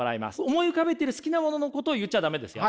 思い浮かべてる好きなもののことを言っちゃ駄目ですよ。